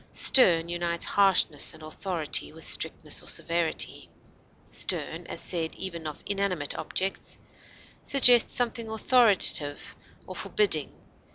Stern unites harshness and authority with strictness or severity; stern, as said even of inanimate objects, suggests something authoritative or forbidding.